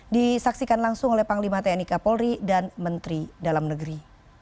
disaksikan langsung oleh panglima tni kapolri dan menteri dalam negeri